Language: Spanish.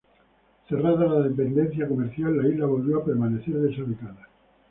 Cerrada la dependencia comercial, la isla volvió a permanecer deshabitada.